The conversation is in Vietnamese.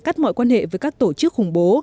cắt mọi quan hệ với các tổ chức khủng bố